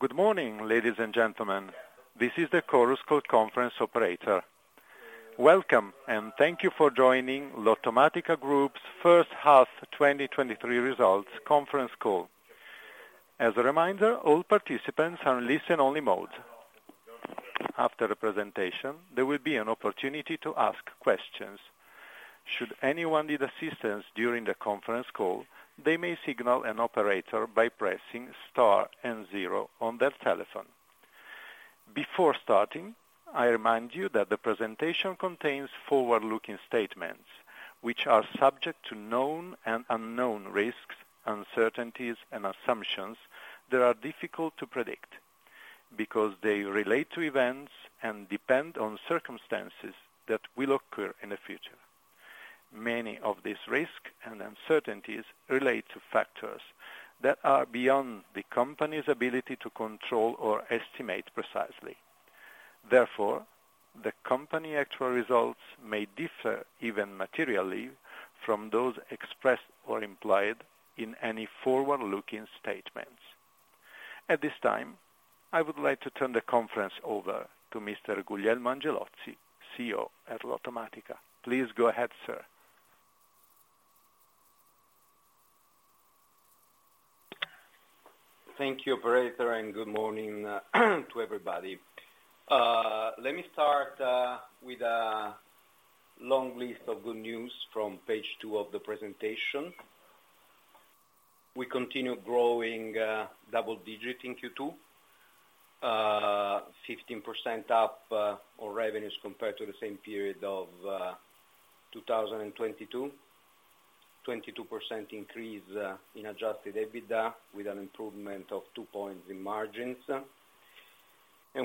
Good morning, ladies and gentlemen. This is the Chorus Call conference operator. Welcome, thank you for joining Lottomatica Group's First Half 2023 Results Conference Call. As a reminder, all participants are in listen-only mode. After the presentation, there will be an opportunity to ask questions. Should anyone need assistance during the conference call, they may signal an operator by pressing star and zero on their telephone. Before starting, I remind you that the presentation contains forward-looking statements, which are subject to known and unknown risks, uncertainties, and assumptions that are difficult to predict, because they relate to events and depend on circumstances that will occur in the future. Many of these risks and uncertainties relate to factors that are beyond the Company's ability to control or estimate precisely. Therefore the Company actual results may differ even materially from those expressed or implied in any forward-looking statements. At this time, I would like to turn the conference over to Mr. Guglielmo Angelozzi, CEO at Lottomatica. Please go ahead, sir. Thank you, operator and good morning, to everybody. Let me start with a long list of good news from page two of the presentation. We continue growing double digit in Q2, 15% up on revenues compared to the same period of 2022. 22% increase in adjusted EBITDA, with an improvement of two points in margins.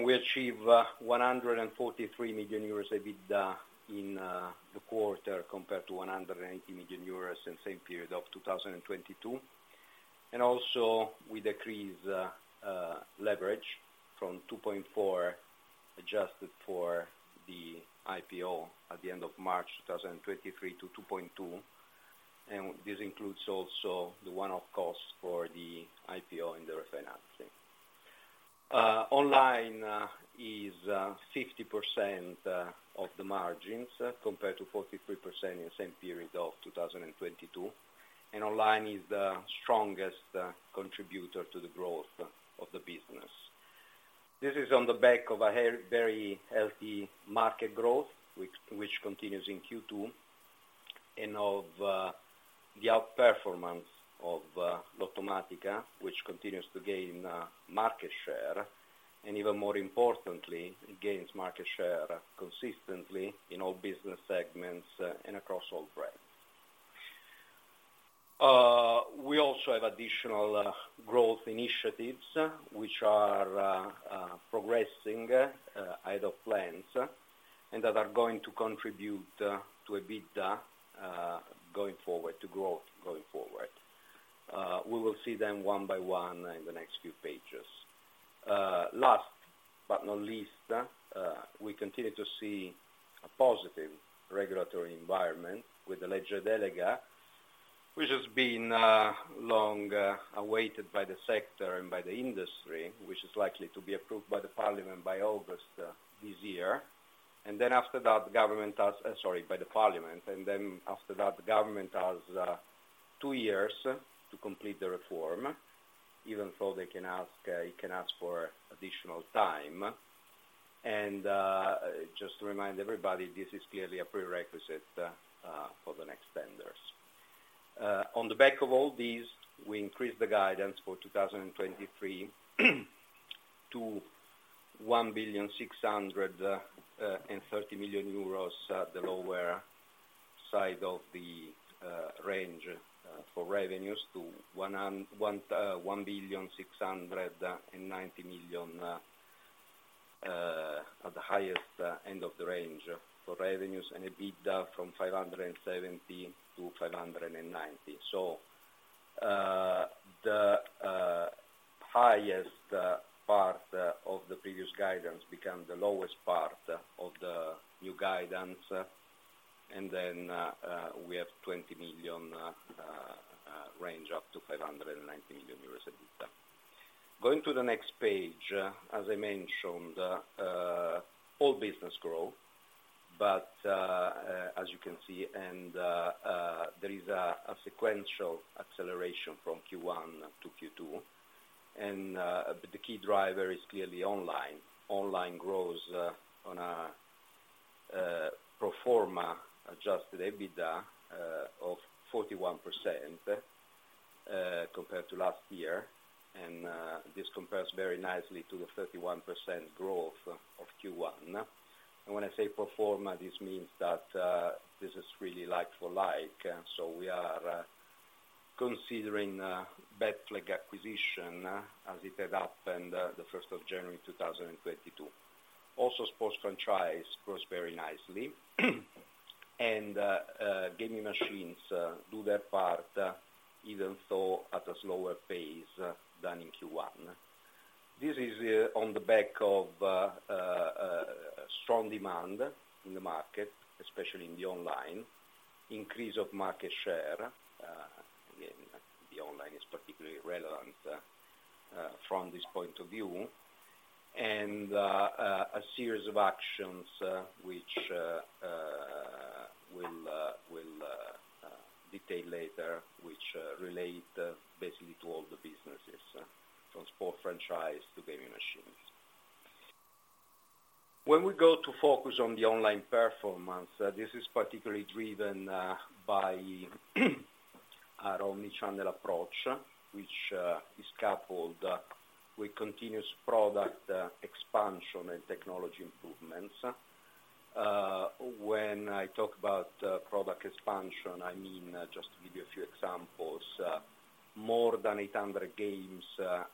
We achieved 143 million euros EBITDA in the quarter, compared to 180 million euros in same period of 2022. Also we decrease leverage from 2.4, adjusted for the IPO at the end of March 2023 to 2.2, and this includes also the one-off costs for the IPO and the refinancing. Online is 60% of the margins, compared to 43% in the same period of 2022, and online is the strongest contributor to the growth of the business. This is on the back of a very healthy market growth, which continues in Q2, and of the outperformance of Lottomatica, which continues to gain market share, and even more importantly, it gains market share consistently in all business segments and across all brands. We also have additional growth initiatives, which are progressing as of plans, and that are going to contribute to EBITDA to grow going forward. We will see them one-by-one in the next few pages. Last but not least, we continue to see a positive regulatory environment with the Legge Delega, which has been long awaited by the sector and by the industry, which is likely to be approved by the parliament by August this year. Then after that, the government has -- sorry, by the parliament, and then after that, the government has 2 years to complete the reform, even though they can ask, it can ask for additional time. Just to remind everybody, this is clearly a prerequisite for the next tenders. On the back of all these, we increased the guidance for 2023 to 1,630 million euros, the lower side of the range for revenues to 1,690 million at the highest end of the range for revenues, and EBITDA from 570 million-590 million. The highest part of the previous guidance become the lowest part of the new guidance, and then we have 20 million range, up to 590 million euros EBITDA. Going to the next page, as I mentioned, all business grow, but as you can see, there is a sequential acceleration from Q1 to Q2 and the key driver is clearly online. Online grows on a pro forma adjusted EBITDA of 41% compared to last year, this compares very nicely to the 31% growth of Q1. When I say pro forma, this means that this is really like-for-like, so we are considering Betflag acquisition as this has happened 1st of January 2022. Also, sports franchise grows very nicely and gaming machines do their part, even so, at a slower pace than in Q1. This is on the back of strong demand in the market, especially in the online, increase of market share, again, the online is particularly relevant from this point of view, and a series of actions which we'll detail later, which relate basically to all the businesses from sport franchise to gaming machines. When we go to focus on the online performance, this is particularly driven by our omni-channel approach, which is coupled with continuous product expansion and technology improvements. When I talk about product expansion, I mean, just to give you a few examples, more than 800 games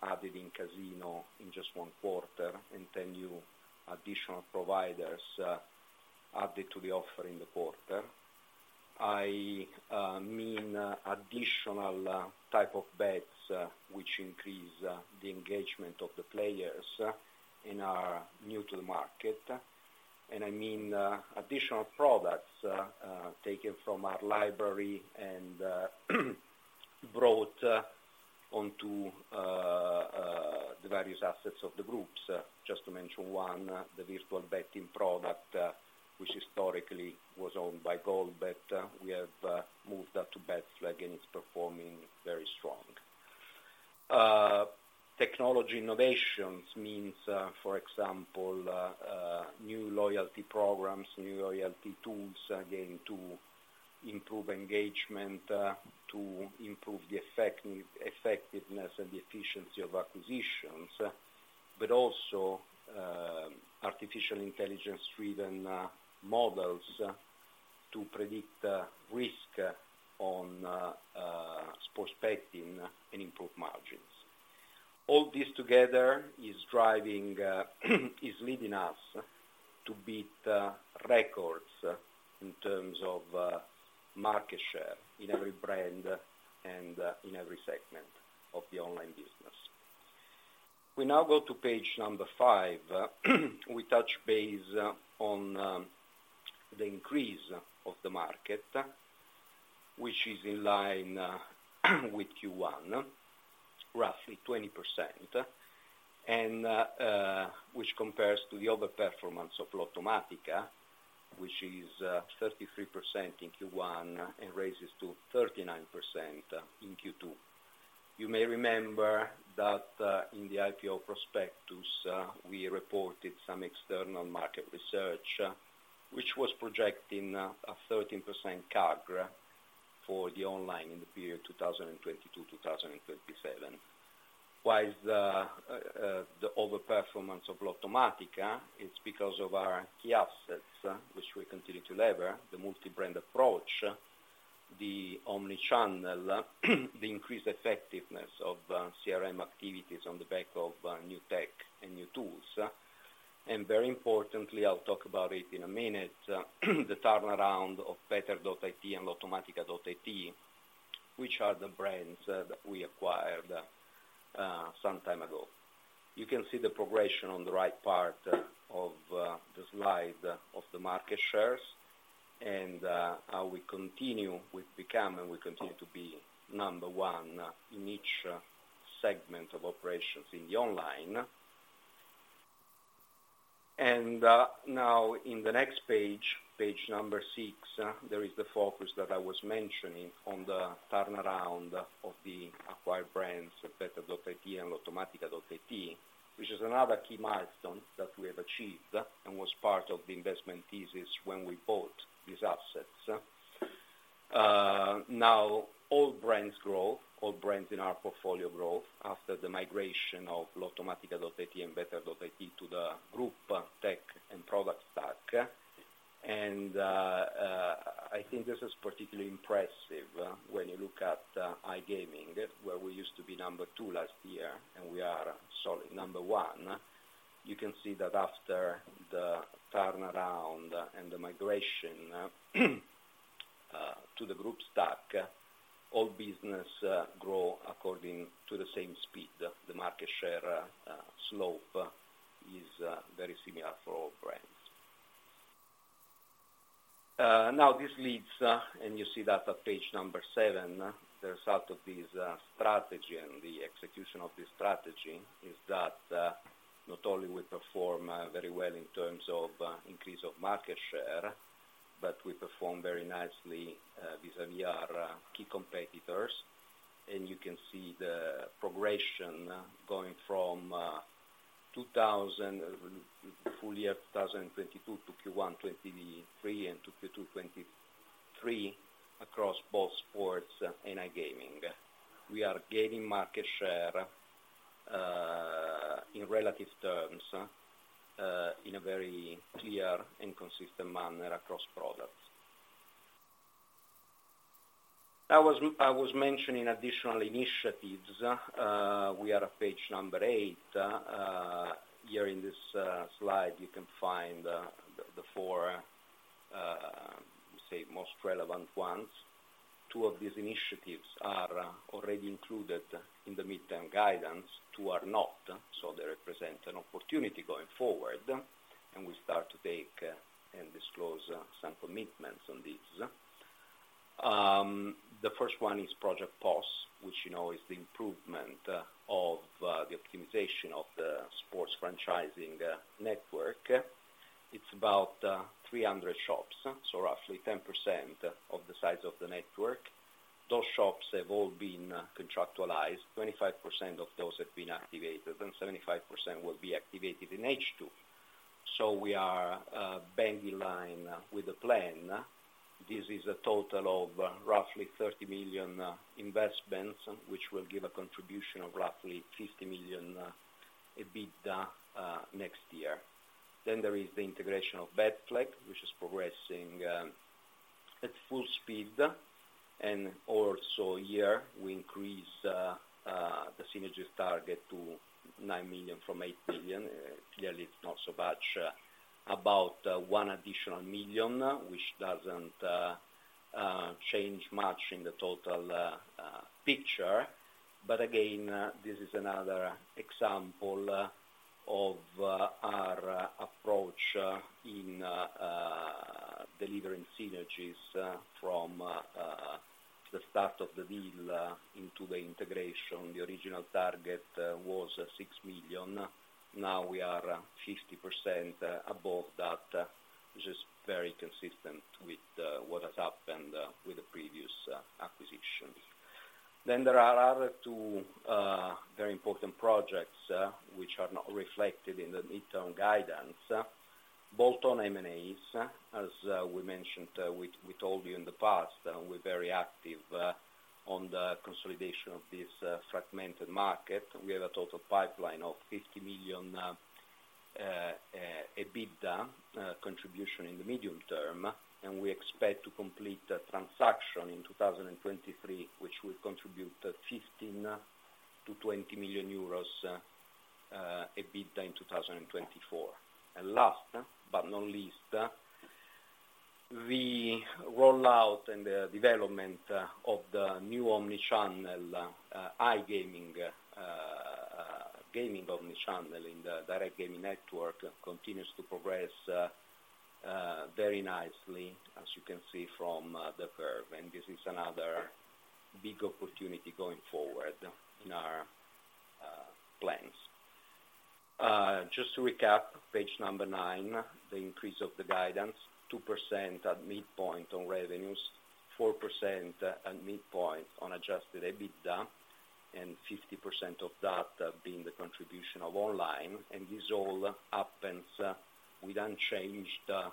added in casino in just one quarter, and 10 new additional providers added to the offer in the quarter. I mean, additional type of bets, which increase the engagement of the players in our new to the market. I mean, additional products, taken from our library and brought onto the various assets of the groups. Just to mention one, the virtual betting product, which historically was owned by Goldbet, we have moved that to Betflag, and it's performing very strong. Technology innovations means, for example, new loyalty programs, new loyalty tools, again, to improve engagement, to improve the effect -- effectiveness and the efficiency of acquisitions, but also, artificial intelligence-driven models, to predict risk, on sports betting and improve margins. All this together is driving -- is leading us to beat records in terms of market share in every brand and in every segment of the online business. We now go to page number five. We touch base on the increase of the market, which is in line with Q1, roughly 20% which compares to the other performance of Lottomatica, which is 33% in Q1 and raises to 39% in Q2. You may remember that in the IPO prospectus, we reported some external market research, which was projecting a 13% CAGR for the online in the period 2022-2027, whilst the overperformance of Lottomatica, it's because of our key assets, which we continue to lever, the multi-brand approach, the omni-channel, the increased effectiveness of CRM activities on the back of new tech and new tools. Very importantly, I'll talk about it in a minute, the turnaround of Better.it and Lottomatica.it, which are the brands that we acquired some time ago. You can see the progression on the right part of the slide of the market shares, and how we continue, we've become, and we continue to be number one in each segment of operations in the online. And now, in the next page, page number six, there is the focus that I was mentioning on the turnaround of the acquired brands Better.it and Lottomatica.it, which is another key milestone that we have achieved and was part of the investment thesis when we bought these assets. Now all brands growth, all brands in our portfolio growth after the migration of Lottomatica.it and Better.it to the group tech and product stack. And I think this is particularly impressive when you look at iGaming, where we used to be number two last year, and we are solid number one. You can see that after the turnaround and the migration to the group stack, all business grow according to the same speed. The market share slope is very similar for all brands. Now, this leads, and you see that on page number seven, the result of this strategy and the execution of this strategy is that not only we perform very well in terms of increase of market share, but we perform very nicely vis-a-vis our key competitors. And you can see the progression going from full year 2022 to Q1 2023 and to Q2 2023, across both sports and iGaming. We are gaining market share in relative terms in a very clear and consistent manner across products. I was mentioning additional initiatives, we are at page number eight. Here in this slide, you can find the, the four, say, most relevant ones. Two of these initiatives are already included in the midterm guidance, two are not, so they represent an opportunity going forward, and we start to take and disclose some commitments on these. The first one is Project POS, which, you know, is the improvement of the optimization of the sports franchising network. It's about 300 shops, so roughly 10% of the size of the network. Those shops have all been contractualized. 25% of those have been activated, and 75% will be activated in H2. So, we are bang in line with the plan. This is a total of roughly 30 million investments, which will give a contribution of roughly 50 million EBITDA next year. There is the integration of Betflag, which is progressing at full speed. Also here, we increase the synergies target to 9 million from 8 million. Clearly, it's not so much about 1 million additional, which doesn't change much in the total picture. But again, this is another example of our approach in delivering synergies from the start of the deal into the integration. The original target was 6 million. Now we are 50% above that, which is very consistent with what has happened with the previous acquisitions. There are other two very important projects, which are not reflected in the midterm guidance, both on M&As. As we mentioned, we told you in the past, we're very active on the consolidation of this fragmented market. We have a total pipeline of 50 million EBITDA contribution in the medium term, and we expect to complete the transaction in 2023, which will contribute 15 million-20 million euros EBITDA in 2024. Last but not least, the rollout and the development of the new omni-channel iGaming gaming omni-channel in the direct gaming network continues to progress very nicely, as you can see from the curve, and this is another big opportunity going forward in our plans. Just to recap, page number nine, the increase of the guidance, 2% at midpoint on revenues, 4% at midpoint on adjusted EBITDA, and 50% of that being the contribution of online and these all happens with unchanged CapEx.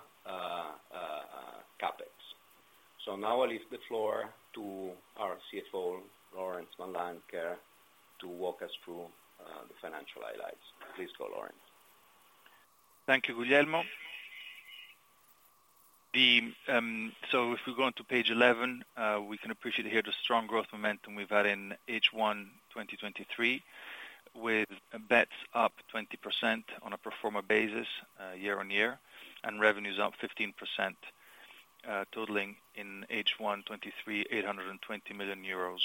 Now I leave the floor to our CFO, Laurence Van Lancker, to walk us through the financial highlights. Please go, Laurence. Thank you, Guglielmo. If we go onto page 11, we can appreciate here the strong growth momentum we've had in H1 2023, with bets up 20% on a pro forma basis, year-on-year, and revenues up 15%, totaling in H1 2023, 820 million euros.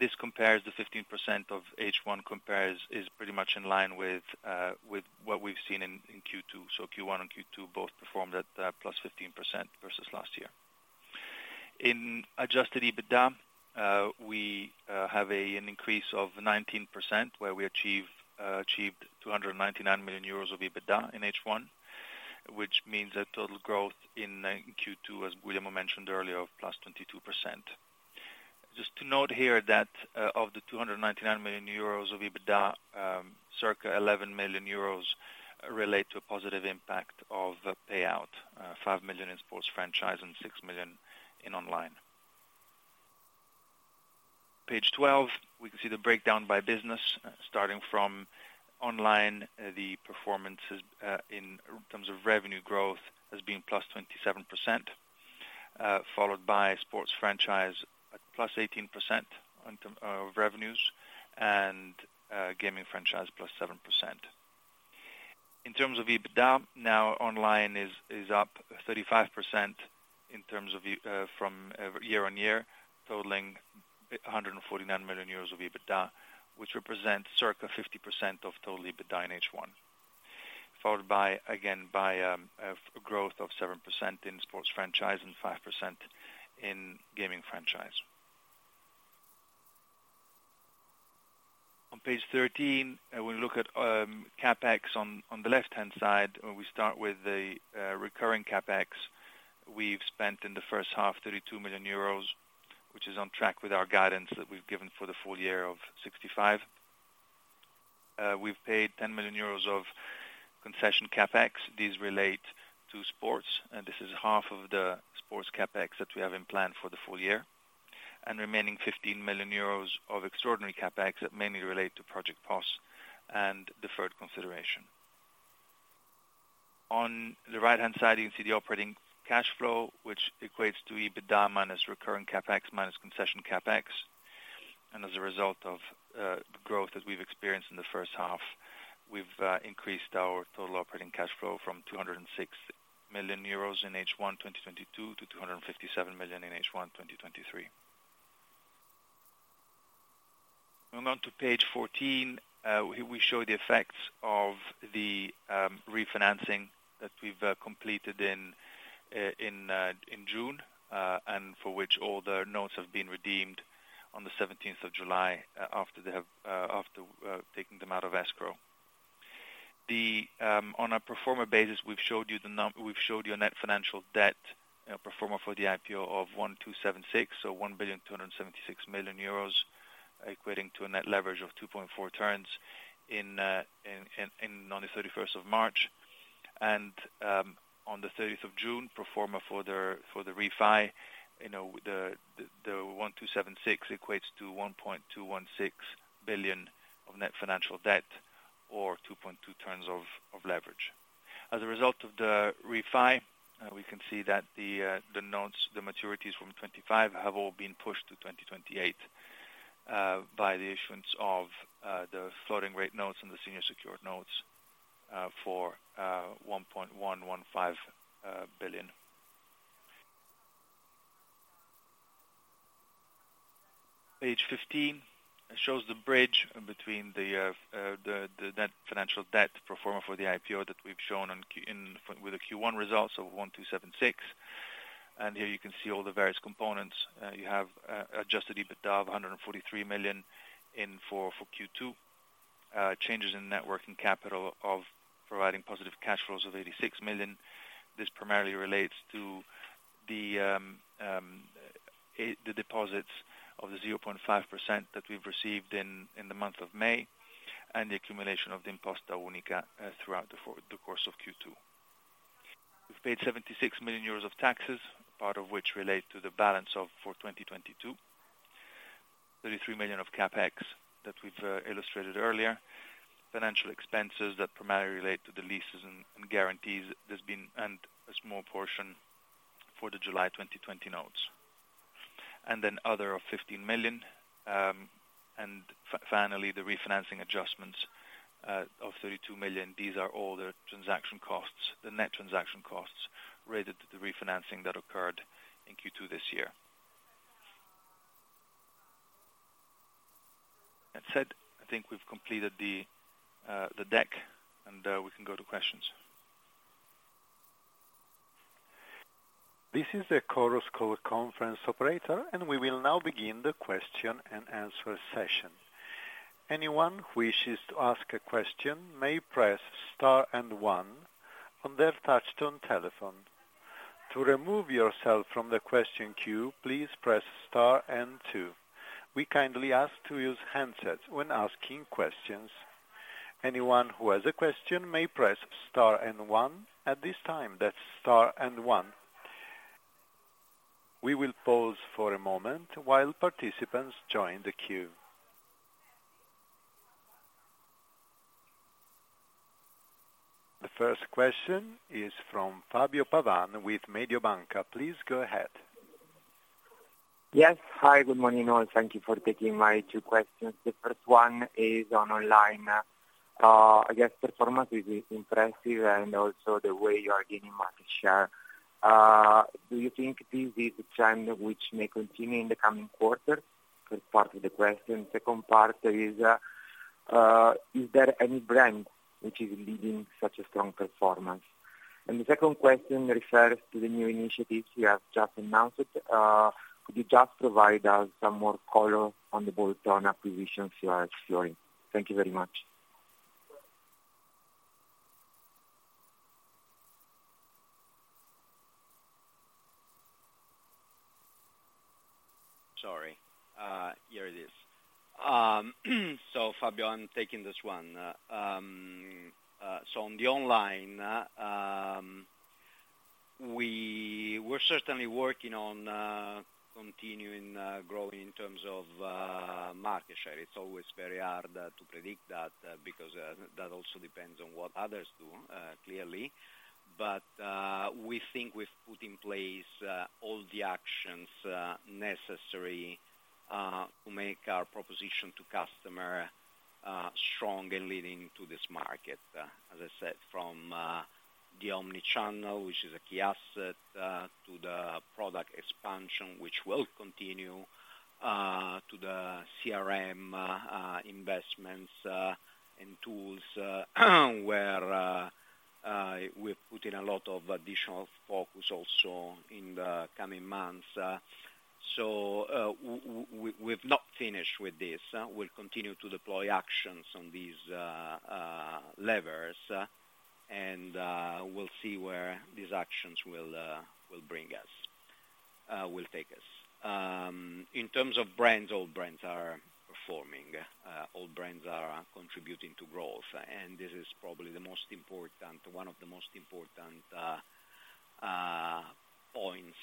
This compares to 15% of H1 compares -- is pretty much in line with what we've seen in Q2. So Q1 and Q2 both performed at +15% versus last year. In adjusted EBITDA, we have an increase of 19%, where we achieved 299 million euros of EBITDA in H1, which means a total growth in Q2, as Guglielmo mentioned earlier, of +22%. Just to note here that of the 299 million euros of EBITDA, circa 11 million euros relate to a positive impact of the payout, 5 million in sports franchise and 6 million in online. Page 12, we can see the breakdown by business, starting from online, the performance is in terms of revenue growth, as being +27%, followed by sports franchise at +18% of revenues and gaming franchise +7%. In terms of EBITDA, now online is up 35% in terms of the year-on-year, totaling 149 million euros of EBITDA, which represents circa 50% of total EBITDA in H1, followed by, again, by a growth of 7% in sports franchise and 5% in gaming franchise. On page 13, we look at CapEx on the left-hand side, where we start with the recurring CapEx. We've spent in the first half, 32 million euros, which is on track with our guidance that we've given for the full year of 65 million. We've paid 10 million euros of concession CapEx. These relate to sports, and this is half of the sports CapEx that we have in plan for the full year, and remaining 15 million euros of extraordinary CapEx that mainly relate to Project POS and deferred consideration. On the right-hand side, you can see the operating cash flow, which equates to EBITDA minus recurring CapEx, minus concession CapEx. As a result of the growth that we've experienced in the first half, we've increased our total operating cash flow from 206 million euros in H1 2022 to 257 million in H1 2023. Moving on to page 14, we show the effects of the refinancing that we've completed in June, and for which all the notes have been redeemed on the 17th of July, after they have -- after taking them out of escrow. The -- on a pro forma basis, we've showed you a net financial debt, pro forma for the IPO of 1,276, so 1,276 million euros, equating to a net leverage of 2.4x in -- on the 31st of March. And on the 30th of June, pro forma for the, for the [refi], you know, the 1,276 equates to 1.216 billion of net financial debt, or 2.2x of leverage. As a result of the refi, we can see that the notes, the maturities from 2025 have all been pushed to 2028 by the issuance of the floating rate notes and the senior secured notes for EUR 1.115 billion. Page 15 shows the bridge between the net financial debt pro forma for the IPO that we've shown in with the Q1 results of 1,276 million. Here you can see all the various components. You have adjusted EBITDA of 143 million in for Q2. Changes in net working capital of providing positive cash flows of 86 million. This primarily relates to the deposits of the 0.5% that we've received in the month of May, and the accumulation of the imposta unica throughout the course of Q2. We've paid 76 million euros of taxes, part of which relate to the balance of, for 2022. 33 million of CapEx that we've illustrated earlier. Financial expenses that primarily relate to the leases and guarantees there's been, and a small portion for the July 2020 notes. And then other of 15 million. And finally, the refinancing adjustments of 32 million. These are all the transaction costs, the net transaction costs related to the refinancing that occurred in Q2 this year. That said, I think we've completed the deck, and we can go to questions. This is the Chorus Call conference operator. We will now begin the question-and-answer session. Anyone who wishes to ask a question may press star and one on their touchtone telephone. To remove yourself from the question queue, please press star and two. We kindly ask to use handsets when asking questions. Anyone who has a question may press star and one at this time. That's star and one. We will pause for a moment while participants join the queue. The first question is from Fabio Pavan with Mediobanca. Please go ahead. Yes. Hi, good morning, all. Thank you for taking my two questions. The first one is on online. I guess performance is impressive and also the way you are gaining market share. Do you think this is a trend which may continue in the coming quarter? First part of the question. Second part is, is there any brand which is leading such a strong performance? And the second question refers to the new initiatives you have just announced. Could you just provide us some more color on the bolt-on acquisitions you are exploring? Thank you very much. Sorry, here it is. So, Fabio, I'm taking this one. On the online, we're certainly working on continuing growing in terms of market share. It's always very hard to predict that because that also depends on what others do clearly. But we think we've put in place all the actions necessary to make our proposition to customer strong and leading to this market. As I said, from the omni-channel, which is a key asset, to the product expansion, which will continue to the CRM investments and tools, where we're putting a lot of additional focus also in the coming months. So, we've not finished with this. We'll continue to deploy actions on these levers, and we'll see where these actions will bring us, will take us. In terms of brands, all brands are performing, all brands are contributing to growth, and this is probably the most important, one of the most important points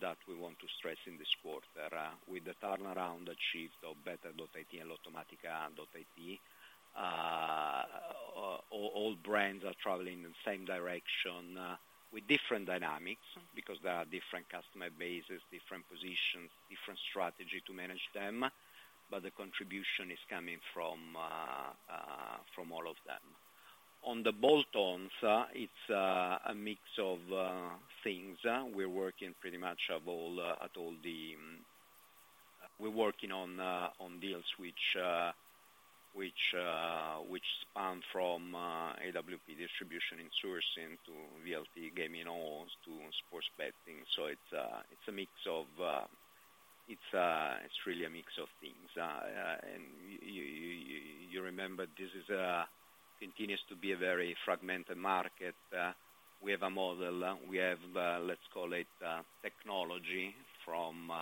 that we want to stress in this quarter. With the turnaround achieved of Better.it and Lottomatica.it, all, all brands are traveling in the same direction, with different dynamics, because there are different customer bases, different positions, different strategy to manage them, but the contribution is coming from all of them. On the bolt-ons, it's, a mix of things. We're working pretty much of all -- we're working on deals which span from AWP distribution [insourcing] to VLT gaming halls, to sports betting. It's really a mix of things. You remember, this continues to be a very fragmented market. We have a model, we have, let's call it technology from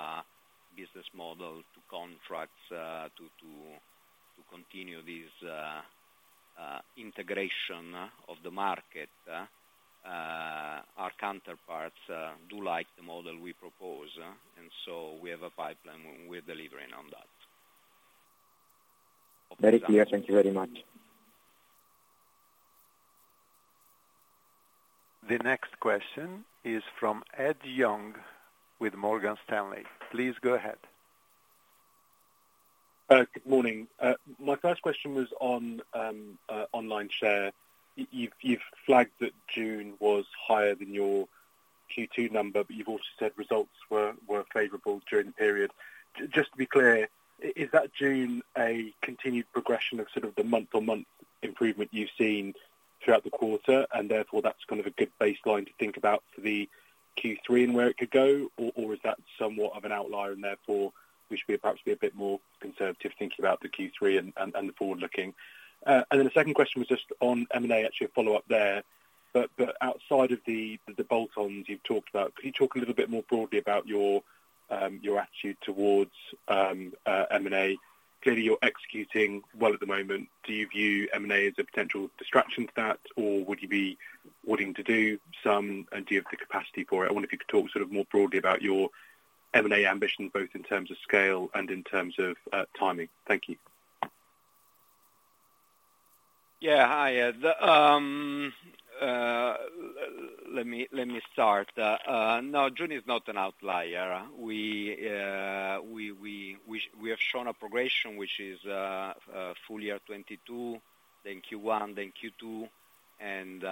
business model to contracts, to, to, to continue this integration of the market. Our counterparts do like the model we propose, and so we have a pipeline, we're delivering on that. Very clear. Thank you very much. The next question is from Ed Young with Morgan Stanley. Please go ahead. Good morning. My first question was on online share. You've flagged that June was higher than your Q2 number, but you've also said results were favorable during the period. Just to be clear, is that June a continued progression of sort of the month-on-month improvement you've seen throughout the quarter, and therefore, that's kind of a good baseline to think about for the Q3 and where it could go? Is that somewhat of an outlier, and therefore, we should be perhaps be a bit more conservative thinking about the Q3 and the forward-looking? The second question was just on M&A, actually, a follow-up there. Outside of the bolt-ons you've talked about, could you talk a little bit more broadly about your attitude towards M&A? Clearly, you're executing well at the moment. Do you view M&A as a potential distraction to that, or would you be wanting to do some, and do you have the capacity for it? I wonder if you could talk sort of more broadly about your M&A ambitions, both in terms of scale and in terms of timing? Thank you. Yeah. Hi, Ed. Let me start. No, June is not an outlier. We have shown a progression, which is full year 2022, then Q1, then Q2, and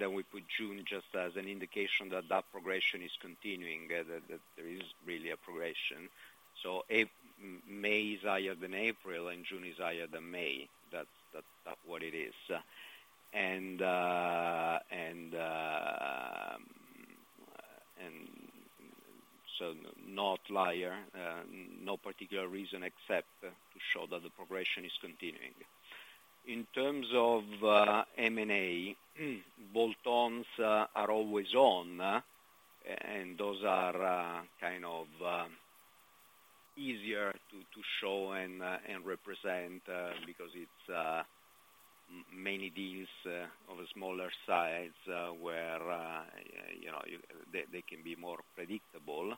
then we put June just as an indication that that progression is continuing, that there is really a progression. If May is higher than April, and June is higher than May, that's what it is. No outlier, no particular reason except to show that the progression is continuing. In terms of M&A, bolt-ons are always on, and those are, kind of, easier to show and represent, because it's many deals of a smaller size, where, you know, they can be more predictable.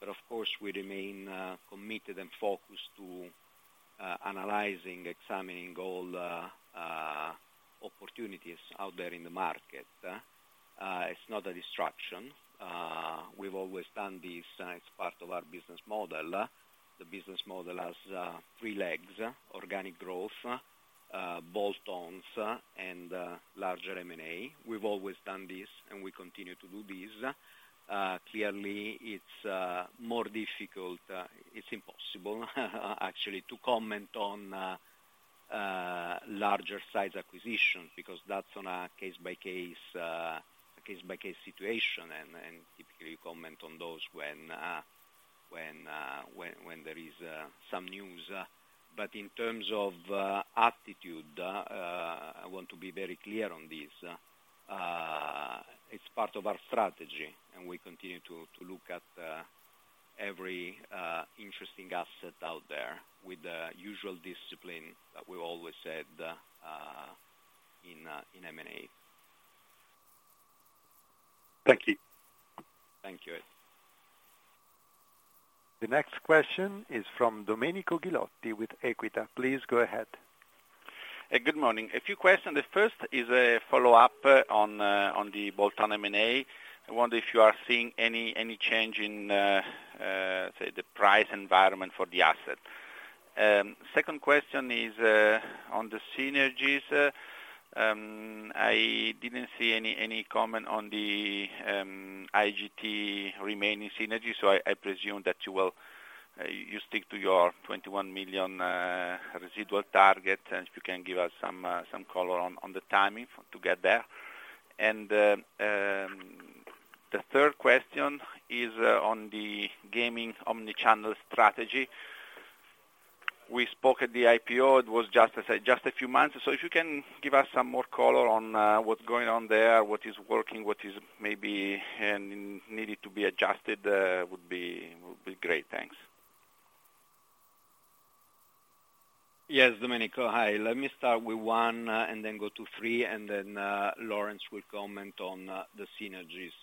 But of course, we remain committed and focused to analyzing, examining all opportunities out there in the market. It's not a distraction. We've always done this, it's part of our business model. The business model has three legs: organic growth, bolt-ons, and, larger M&A. We've always done this, and we continue to do this. Clearly, it's more difficult, it's impossible, actually to comment on larger size acquisitions, because that's on case-by-case situation, and typically, we comment on those when there is some news. But in terms of attitude, I want to be very clear on this, it's part of our strategy, and we continue to look at every interesting asset out there with the usual discipline that we always said in M&A. Thank you. Thank you, Ed. The next question is from Domenico Ghilotti with Equita. Please go ahead. Good morning. A few questions. The first is a follow-up on the bolt-on M&A. I wonder if you are seeing any change in, say, the price environment for the asset. Second question is on the synergies. I didn't see any comment on the IGT remaining synergies, so I presume that you will stick to your 21 million residual target, and if you can give us some color on the timing to get there? The third question is on the gaming omni-channel strategy. We spoke at the IPO, it was just a few months, so if you can give us some more color on what's going on there, what is working, what is maybe needing to be adjusted would be great. Thanks. Yes, Domenico. Hi. Let me start with one, and then go to three, and then, Laurence will comment on the synergies.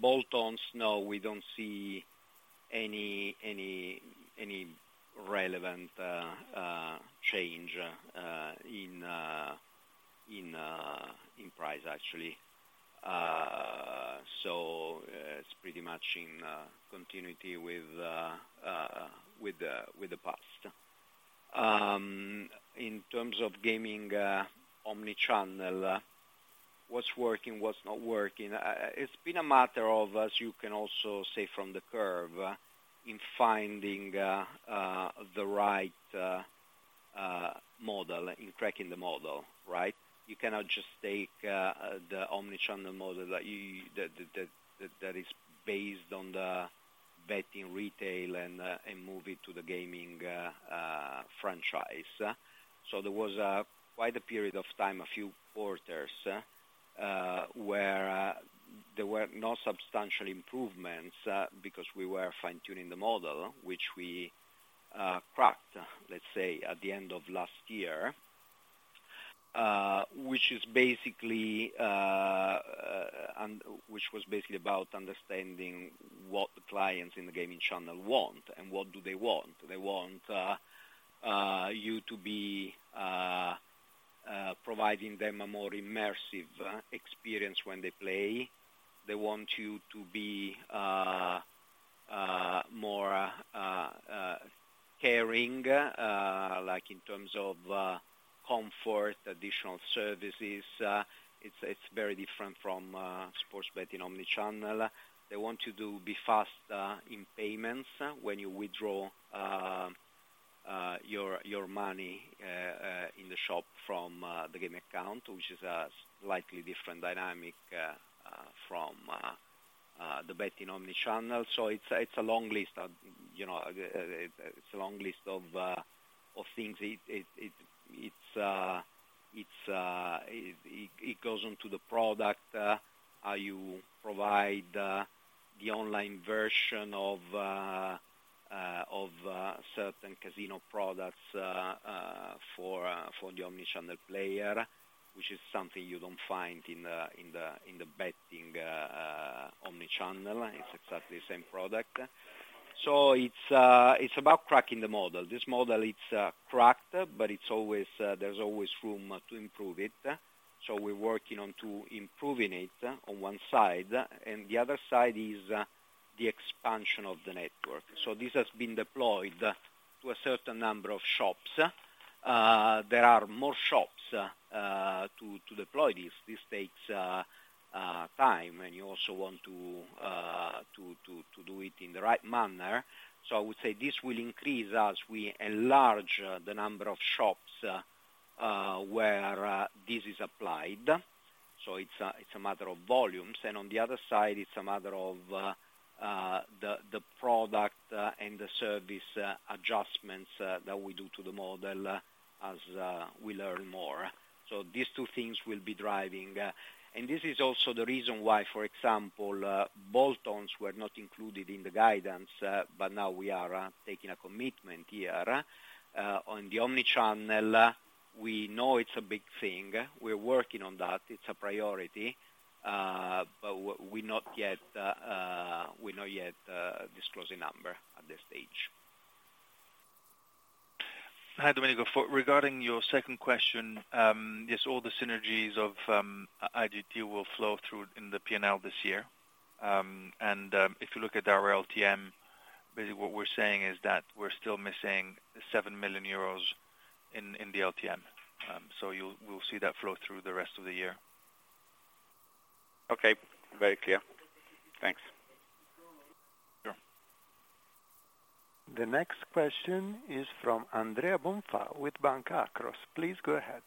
Bolt-ons, no, we don't see any relevant change in price actually. So, it's pretty much in continuity with the past. In terms of gaming, omni-channel, what's working, what's not working? It's been a matter of, as you can also say from the curve, in finding the right model, in cracking the model, right? You cannot just take the omni-channel model that is based on the betting retail and move it to the gaming franchise. There was quite a period of time, a few quarters, where there were no substantial improvements, because we were fine-tuning the model, which we cracked, let's say, at the end of last year, which is basically -- and which was basically about understanding what the clients in the gaming channel want, and what do they want? They want you to be providing them a more immersive experience when they play. They want you to be more caring, like in terms of comfort, additional services. It's very different from sports betting omni-channel. They want you to be fast, in payments when you withdraw your money in the shop from the game account, which is a slightly different dynamic from the betting omni-channel. It's a long list of, you know, of things. It goes on to the product, how you provide the online version of certain casino products, for the omni-channel player, which is something you don't find in the betting omni-channel. It's exactly the same product. So it's about cracking the model. This model, it's, cracked, but it's always -- there's always room to improve it. So, we're working on to improving it on one side, and the other side is the expansion of the network. This has been deployed to a certain number of shops. There are more shops to deploy this. This takes time, and you also want to do it in the right manner. I would say this will increase as we enlarge the number of shops where this is applied. It's a matter of volumes, and on the other side, it's a matter of the product and the service adjustments that we do to the model as we learn more. So these two things will be driving. This is also the reason why, for example, bolt-ons were not included in the guidance, but now we are taking a commitment here. On the omni-channel, we know it's a big thing. We're working on that. It's a priority, but we yet, we not yet, disclosing number at this stage. Hi, Domenico. For regarding your second question, yes, all the synergies of IGT will flow through in the P&L this year. If you look at our LTM, basically what we're saying is that we're still missing 7 million euros in the LTM. You'll we'll see that flow through the rest of the year. Okay. Very clear. Thanks. Sure. The next question is from Andrea Bonfà with Banca Akros. Please go ahead.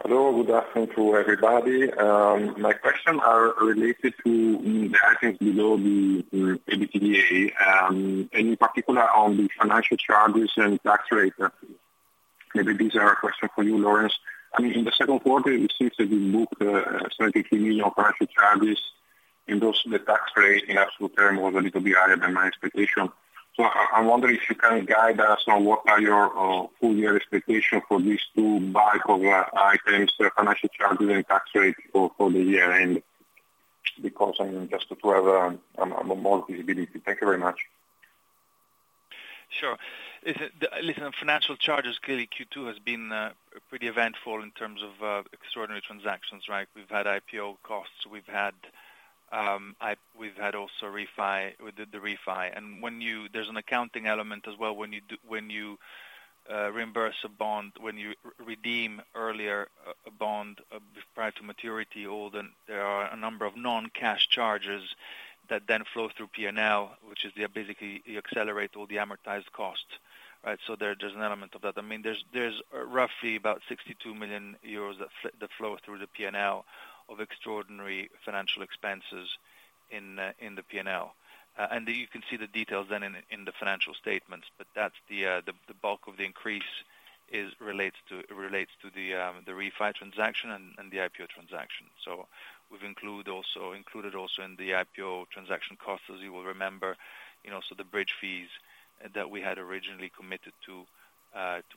Hello, good afternoon to everybody. My question are related to the items below the EBITDA and in particular on the financial charges and tax rate. Maybe these are a question for you, Laurence. I mean, in the second quarter, it seems that you booked EUR 73 million financial charges, and also the tax rate in absolute terms, was a little bit higher than my expectation. I wonder if you can guide us on what are your full year expectation for these two bag of items, financial charges and tax rate, for the year end, because I'm just to have more visibility? Thank you very much. Sure. Listen, on financial charges, clearly Q2 has been pretty eventful in terms of extraordinary transactions, right? We've had IPO costs, we've had also refi, we did the refi. When you, there's an accounting element as well, when you reimburse a bond, when you redeem earlier, a bond prior to maturity, there are a number of non-cash charges that then flow through P&L, which is basically, you accelerate all the amortized costs, right? There's an element of that. I mean, there's roughly about 62 million euros that flow through the P&L, of extraordinary financial expenses in the P&L. You can see the details then in the financial statements, but that's the, the, the bulk of the increase is relates to, relates to the refi transaction and, and the IPO transaction. We've included also in the IPO transaction costs, as you will remember, the bridge fees that we had originally committed to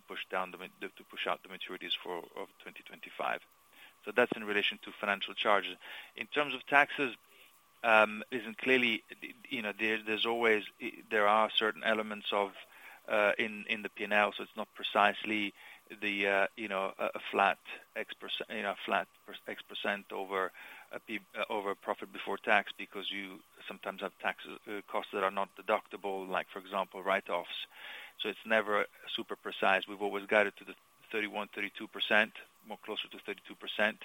push down the, to push out the maturities for, of 2025. That's in relation to financial charges. In terms of taxes, isn't clearly, you know, there's always, there are certain elements of -- in the P&L, so it's not precisely the, you know, a flat X% over profit before tax, because you sometimes have taxes, costs that are not deductible, like, for example, write-offs. It's never super precise. We've always got it to the 31%-32%, more closer to 32%.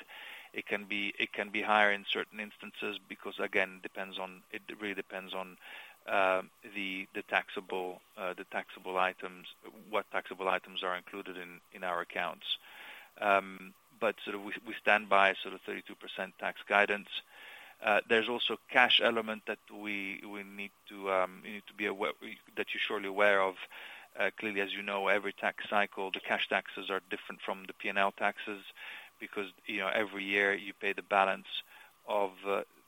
It can be, it can be higher in certain instances, because, again, it really depends on the taxable, the taxable items, what taxable items are included in, in our accounts. We stand by sort of 32% tax guidance. There's also cash element that we need to, you need to be aware, that you're surely aware of. Clearly, as you know, every tax cycle, the cash taxes are different from the P&L taxes, because, you know, every year you pay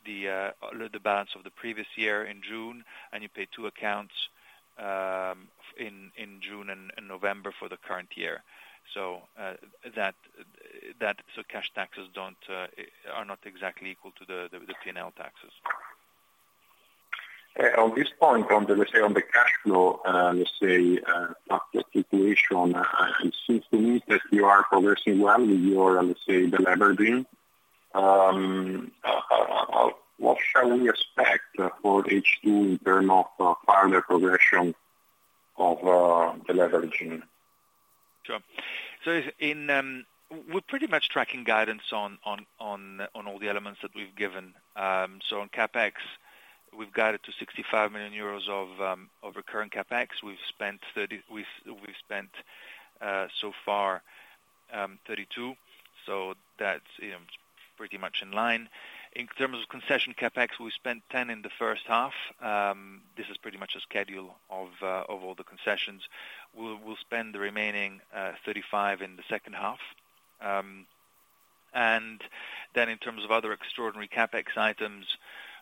the balance of the previous year in June, and you pay two accounts in June and November for the current year. Cash taxes are not exactly equal to the P&L taxes. On this point, let's say, on the cash flow, let's say, tax situation, it seems to me that you are progressing well, you are, let's say, deleveraging. What shall we expect for H2 in terms of, further progression of leveraging? Sure. We're pretty much tracking guidance on all the elements that we've given. On CapEx, we've got it to 65 million euros of recurrent CapEx. We've spent so far, 32, so that's pretty much in line. In terms of concession CapEx, we spent 10 in the first half. This is pretty much a schedule of all the concessions. We'll, spend the remaining 35 in the second half. And in terms of other extraordinary CapEx items,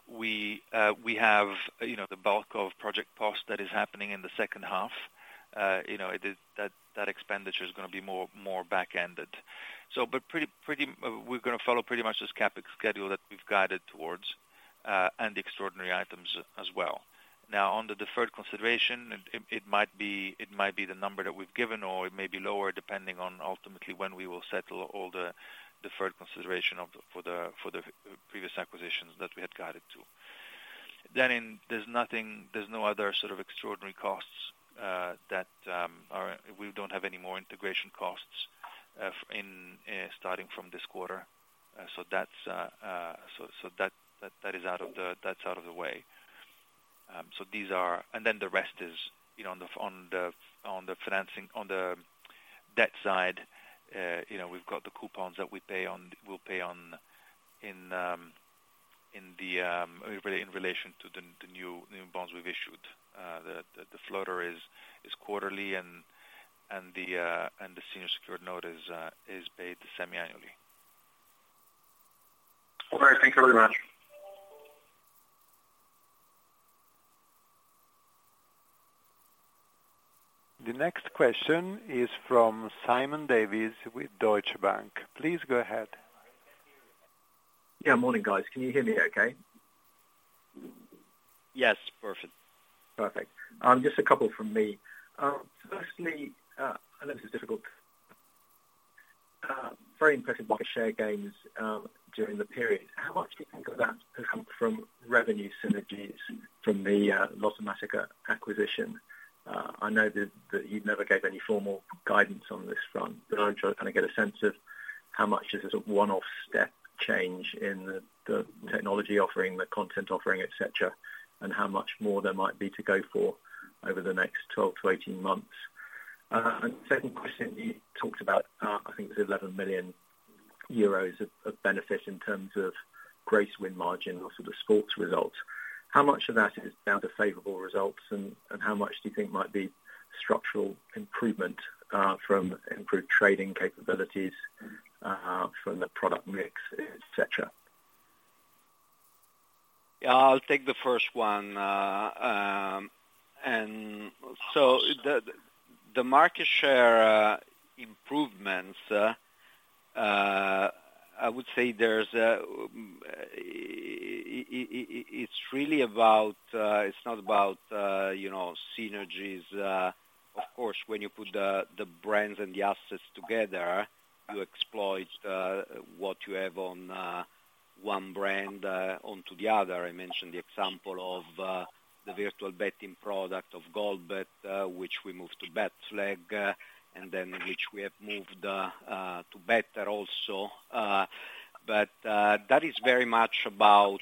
we have, you know, the bulk of Project POS that is happening in the second half. You know, that expenditure is gonna be more back-ended. Pretty, we're gonna follow pretty much this CapEx schedule that we've guided towards, and extraordinary items as well. On the deferred consideration, it might be the number that we've given, or it may be lower, depending on ultimately when we will settle all the deferred consideration for the previous acquisitions that we had guided to. There's nothing -- there's no other sort of extraordinary costs. We don't have any more integration costs in starting from this quarter. That's, so that is out of the way. These are -- then the rest is, you know, on the debt side, you know, we've got the coupons that we'll pay on, in relation to the new bonds we've issued. The, floater is quarterly and the senior secured note is, is paid semiannually. All right. Thank you very much. The next question is from Simon Davies with Deutsche Bank. Please go ahead. Yeah, morning, guys. Can you hear me okay? Yes, perfect. Perfect. Just a couple from me. Firstly, I know this is difficult, very impressive by the share gains during the period. How much do you think of that have come from revenue synergies from the Lottomatica acquisition? I know that, that you never gave any formal guidance on this front, but I just want to get a sense of how much is this a one-off step change in the technology offering, the content offering, et cetera, and how much more there might be to go for over the next 12 months to 18 months. Second question, you talked about, I think it was 11 million euros of benefit in terms of grace win margin or sort of sports results. How much of that is down to favorable results and how much do you think might be structural improvement, from improved trading capabilities, from the product mix, et cetera? Yeah, I'll take the first one. The market share improvements, I would say there's a, it's really about, it's not about, you know, synergies. Of course, when you put the brands and the assets together, you exploit what you have on one brand onto the other. I mentioned the example of the virtual betting product of Goldbet, which we moved to Betflag, and then which we have moved to Better also. But that is very much about,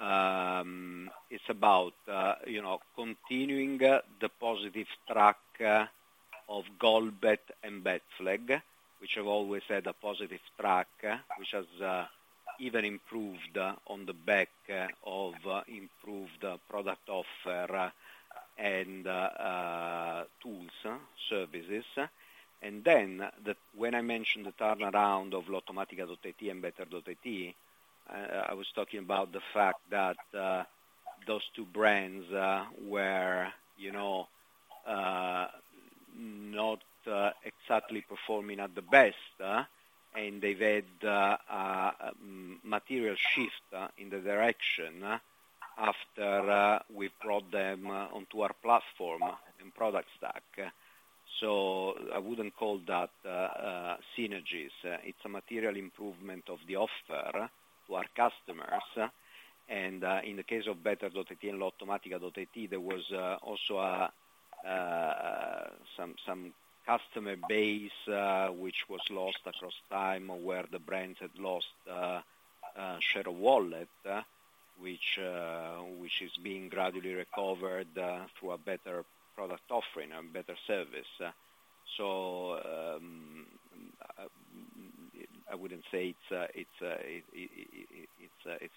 it's about, you know, continuing the positive track of Goldbet and Betflag, which have always had a positive track, which has even improved on the back of improved product offer and tools, services. When I mentioned the turnaround of Lottomatica.it and Better.it, I was talking about the fact that those two brands were, you know, not exactly performing at the best, and they've had material shift in the direction after we brought them onto our platform and product stack. I wouldn't call that synergies. It's a material improvement of the offer to our customers. In the case of Better.it and Lottomatica.it, there was also some customer base which was lost across time, where the brand had lost share of wallet, which is being gradually recovered through a better product offering and better service. I wouldn't say it's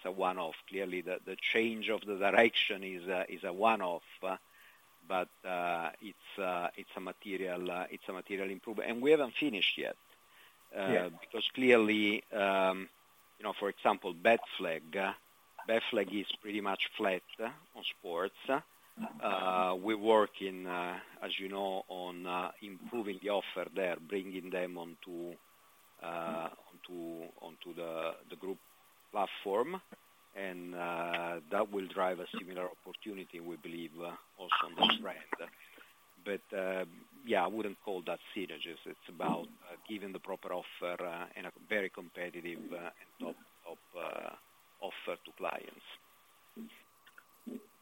a one-off. Clearly, the change of the direction is a one-off, but it's a material improvement. We haven't finished yet. Yeah. Because clearly, you know, for example, Betflag. Betflag is pretty much flat on sports. We're working, as you know, on improving the offer there, bringing them onto the group platform, and that will drive a similar opportunity, we believe, also on this brand. But, I wouldn't call that synergies. It's about giving the proper offer in a very competitive and top offer to clients.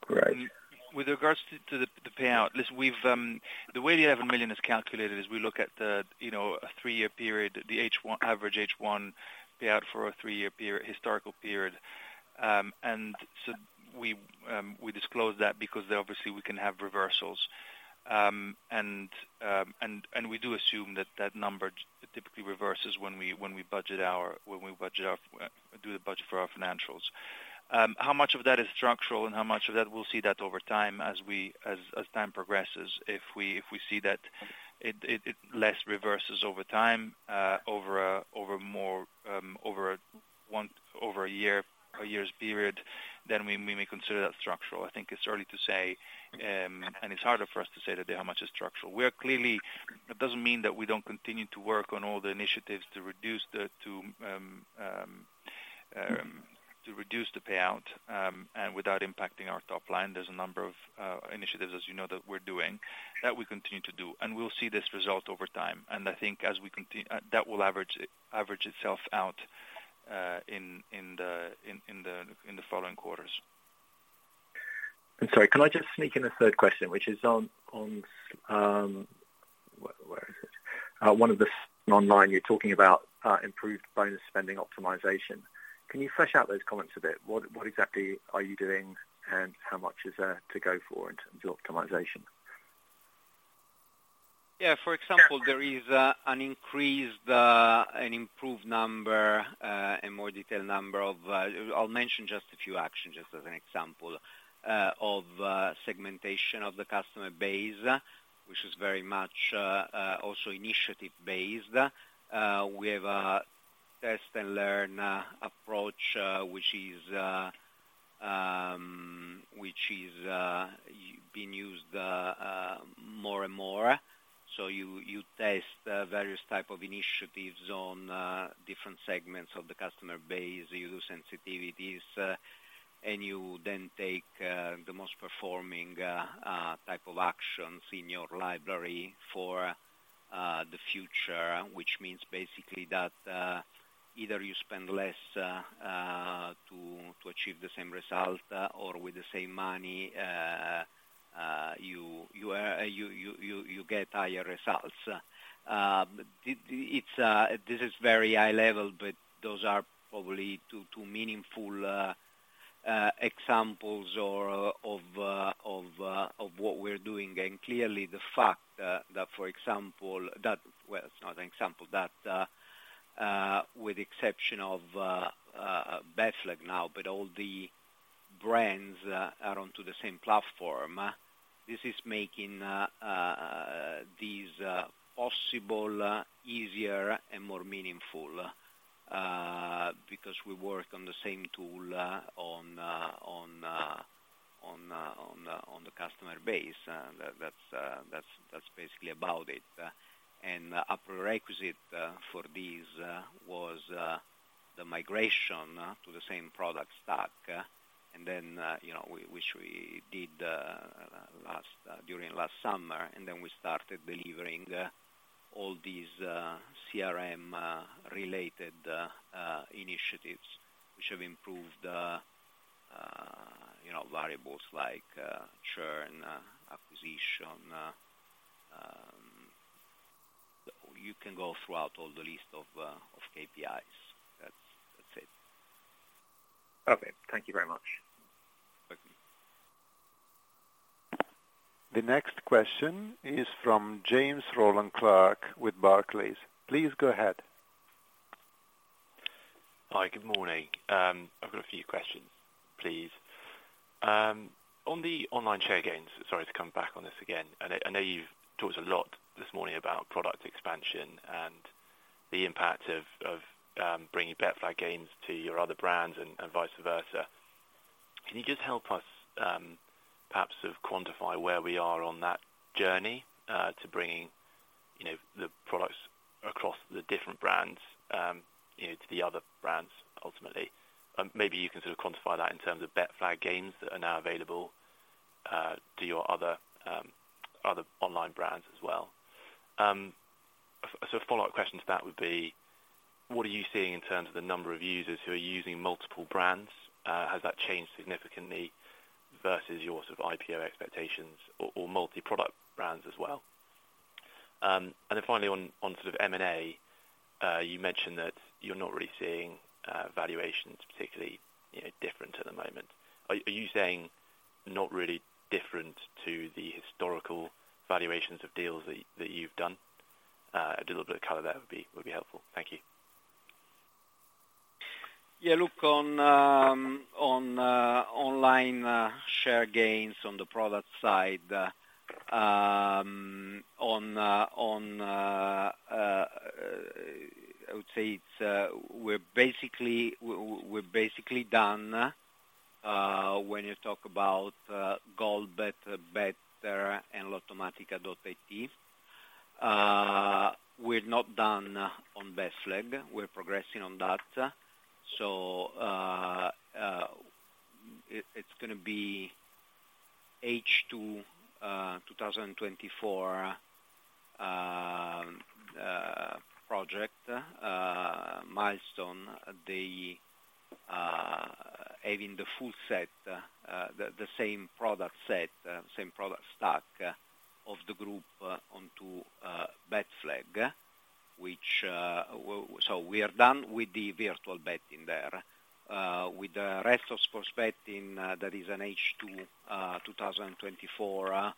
Great. With regards to the payout, listen, we've -- the way the 11 million is calculated, is we look at the, you know, a 3-year period, the H1, average H1 payout for a 3-year period, historical period. We disclose that because obviously we can have reversals. And we do assume that that number typically reverses when we budget our -- do the budget for our financials. How much of that is structural and how much of that, we'll see that over time, as we as time progresses. If we see that, it less reverses over time, over more -- over a year's period, then we may consider that structural. I think it's early to say, and it's harder for us to say that how much is structural. We are clearly -- It doesn't mean that we don't continue to work on all the initiatives to reduce the payout, and without impacting our topline. There's a number of initiatives, as you know, that we're doing, that we continue to do, and we'll see this result over time. I think as we continue -- that will average itself out in the following quarters. I'm sorry, can I just sneak in a third question, which is on, one of the online, you're talking about improved bonus spending optimization. Can you flesh out those comments a bit? What, what exactly are you doing, and how much is there to go for it [in the] optimization? Yeah, for example, there is an increased, an improved number, a more detailed number of -- I'll mention just a few actions, just as an example, of segmentation of the customer base, which is very much, also initiative based. We have a test and learn approach, which is being used more and more. So, you test various type of initiatives on different segments of the customer base, you use sensitivities, and you then take the most performing type of actions in your library for the future, which means basically that, either you spend less to achieve the same result, or with the same money, you get higher results. This is very high level, but those are probably two meaningful examples of what we're doing. Clearly, the fact that, for example, that-- well, it's not an example, that with the exception of Betflag now, but all the brands are onto the same platform, this is making this possible, easier and more meaningful, because we work on the same tool on the customer base. That's, that's basically about it. And a prerequisite for this was the migration to the same product stack, and then, you know, which we did last during last summer, and then we started delivering all these CRM related initiatives, which have improved, you know, variables like churn, acquisition. You can go throughout all the list of KPIs. That's it. Okay. Thank you very much. Thank you. The next question is from James Rowland Clark with Barclays. Please go ahead. Hi, good morning. I've got a few questions, please. On the online share gains, sorry to come back on this again, I know you've talked a lot this morning about product expansion and the impact of bringing Betflag gains to your other brands and vice versa. Can you just help us, perhaps sort of quantify where we are on that journey, to bringing, you know, the products across the different brands, you know, to the other brands ultimately? Maybe you can sort of quantify that in terms of Betflag gains that are now available, to your other online brands as well. So a follow-up question to that would be, what are you seeing in terms of the number of users who are using multiple brands? Has that changed significantly versus your sort of IPO expectations or multi-product brands as well? Then finally, on sort of M&A, you mentioned that you're not really seeing, valuations particularly, you know, different at the moment. Are you saying not really different to the historical valuations of deals that you've done? A little bit of color there would be helpful. Thank you. Yeah, look, on online share gains on the product side, on I would say it's -- we're basically done when you talk about Goldbet, Better, and Lottomatica.it. We're not done on Betflag. We're progressing on that. So, it's going to be H2 2024 project milestone, having the full set, the same product set, same product stack of the group onto Betflag, which -- so we are done with the virtual betting there. With the rest of sports betting, that is an H2 2024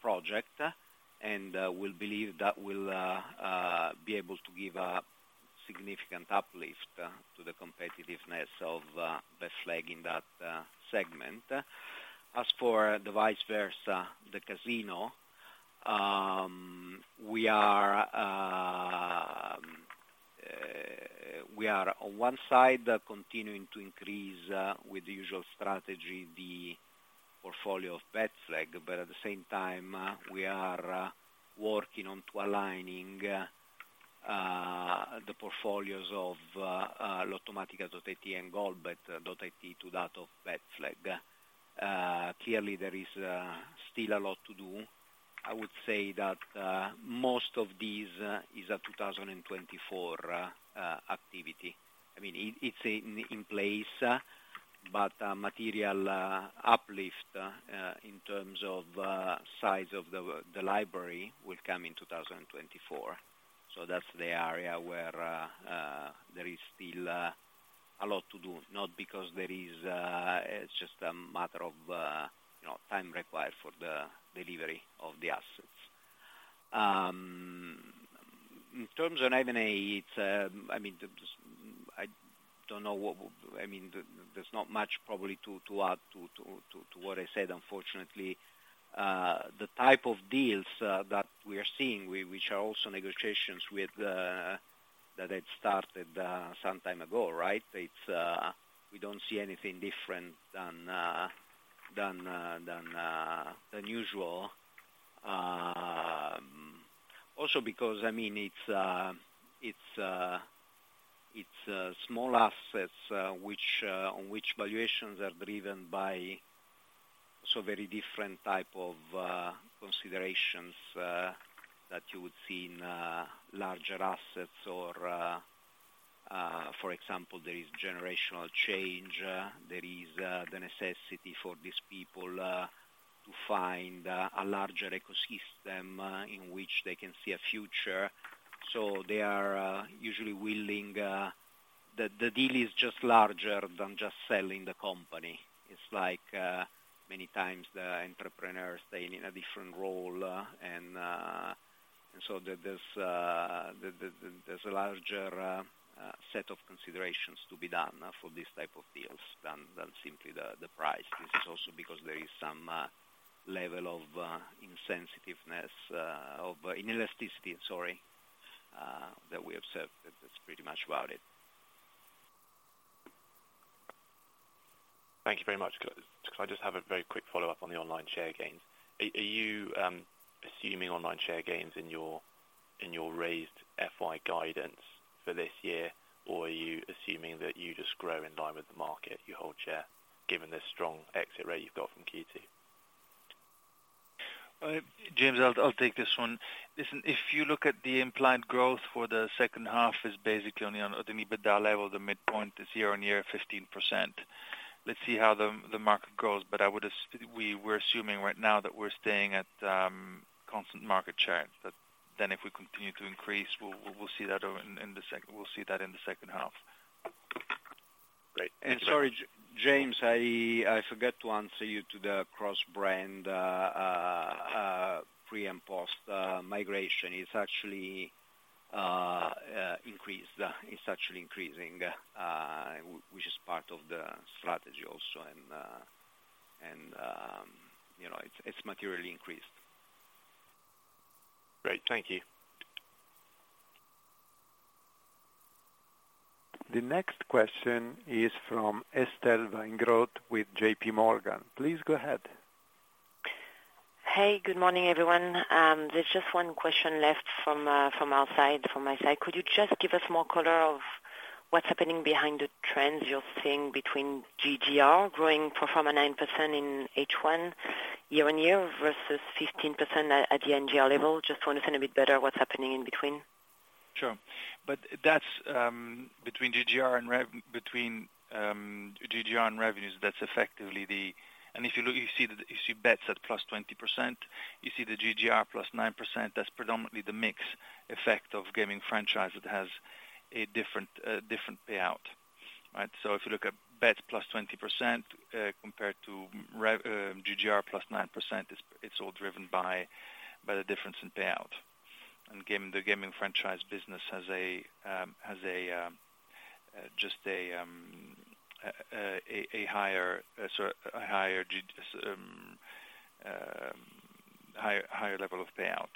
project, and we believe that will be able to give a significant uplift to the competitiveness of Betflag in that segment. As for the vice versa, the casino, we are on one side continuing to increase with the usual strategy, the portfolio of Betflag, but at the same time, we are working on to aligning the portfolios of Lottomatica.it and Goldbet.it to that of Betflag. Clearly, there is still a lot to do. I would say that most of these is a 2024 activity. I mean, it's in place, but material uplift in terms of size of the library will come in 2024. That's the area where there is still a lot to do, not because there is -- it's just a matter of, you know, time required for the delivery of the assets. In terms of M&A, it's, I mean, just, I don't know what -- I mean, there's not much probably to add to what I said, unfortunately. The type of deals that we are seeing, which are also negotiations with, that had started, some time ago, right? It's, we don't see anything different than usual. Also, because, I mean, it's small assets, which valuations are driven by so very different type of, considerations, that you would see in, larger assets or, for example, there is generational change, there is, the necessity for these people, to find a larger ecosystem, in which they can see a future. So they are usually willing. The deal is just larger than just selling the company. It's like many times, the entrepreneur staying in a different role, so there's a larger set of considerations to be done for these type of deals than simply the price. This is also because there is some level of insensitiveness -- inelasticity, sorry, that we observed. That's pretty much about it. Thank you very much. Can I just have a very quick follow-up on the online share gains? Are you assuming online share gains in your raised FY guidance for this year, or are you assuming that you just grow in line with the market, your whole share, given the strong exit rate you've got in Q2? James, I'll, I'll take this one. Listen, if you look at the implied growth for the second half, it's basically on the EBITDA level, the midpoint is year-over-year, 15%. Let's see how the market goes, but we, we're assuming right now that we're staying at constant market share, but then if we continue to increase, we'll see that in the second half. Sorry, James, I, I forgot to answer you to the cross brand pre and post migration. It's actually increased. It's actually increasing, which is part of the strategy also, and, you know, it's materially increased. Great, thank you. The next question is from Estelle Weingrod with JPMorgan. Please go ahead. Hey, good morning, everyone. There's just one question left from our side -- from my side. Could you just give us more color of what's happening behind the trends you're seeing between GGR growing pro forma 9% in H1, year-on-year, versus 15% at, at the NGR level? Just want to understand a bit better what's happening in between. Sure. That's, between GGR and revenues, that's effectively the -- and If you look, you see bets at +20%, you see the GGR +9%, that's predominantly the mix effect of gaming franchise that has a different, different payout, right? If you look at bets +20%, compared to rev, GGR +9%, it's all driven by the difference in payout. And gaming, the gaming franchise business has a, just a higher level of payout.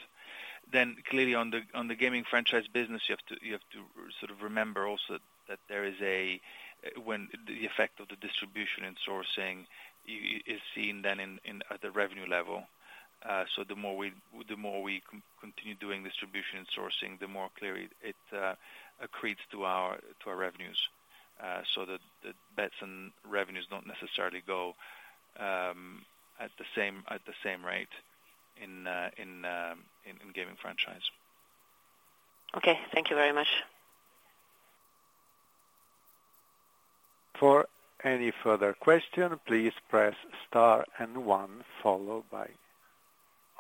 Clearly on the gaming franchise business, you have to sort of remember also that there is a -- when the effect of the distribution and sourcing is seen then in at the revenue level. The more we, the more we continue doing distribution and sourcing, the more clearly it accretes to our revenues. So the bets and revenues don't necessarily go at the same rate in gaming franchise. Okay, thank you very much. For any further question, please press star and one followed by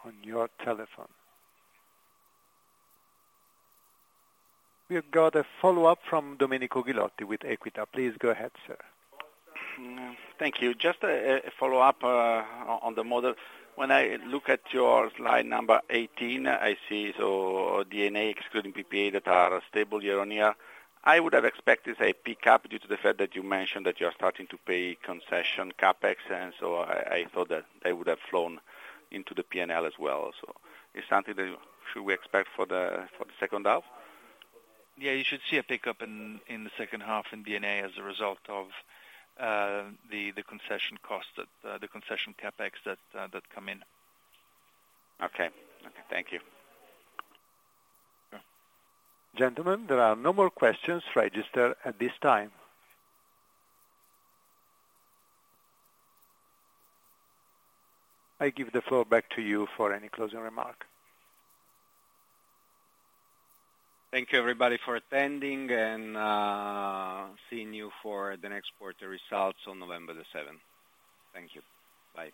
[one] on your telephone. We've got a follow-up from Domenico Ghilotti with Equita. Please go ahead, sir. Thank you. Just a follow-up on the model. When I look at your slide number 18, I see so D&A excluding PPA that are stable year-on-year. I would have expected, say, a pickup due to the fact that you mentioned that you are starting to pay concession CapEx, and so I thought that they would have flown into the P&L as well. It's something that should we expect for the second half? Yeah, you should see a pickup in the second half in D&A as a result of the concession costs, the concession CapEx that come in. Okay. Okay, thank you. Gentlemen, there are no more questions registered at this time. I give the floor back to you for any closing remark. Thank you, everybody, for attending, and seeing you for the next quarter results on November 7th. Thank you. Bye.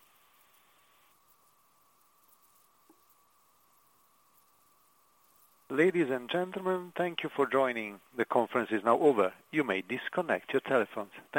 Ladies and gentlemen, thank you for joining. The conference is now over. You may disconnect your telephones.